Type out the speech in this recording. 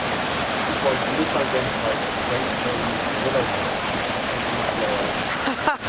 It was misidentified as great hairy willowherb in contemporary floras.